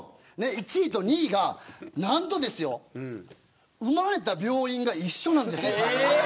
１位と２位が何と生まれた病院が一緒なんです。